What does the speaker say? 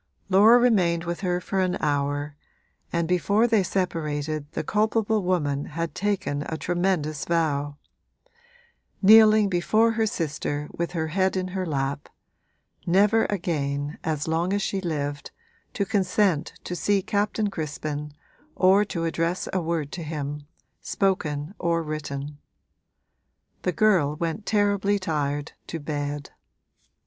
Laura remained with her for an hour, and before they separated the culpable woman had taken a tremendous vow kneeling before her sister with her head in her lap never again, as long as she lived, to consent to see Captain Crispin or to address a word to him, spoken or written. The girl went terribly tired to bed.